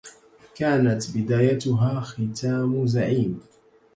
كانت بدايتها ختام زعيم